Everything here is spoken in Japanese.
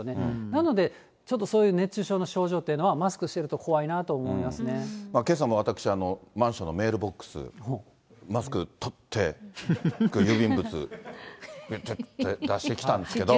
なので、ちょっとそういう熱中症の症状っていうのは、マスクしてけさも私は、マンションのメールボックス、マスク取って、郵便物、出してきたんですけど。